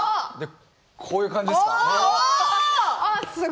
こういう感じですか？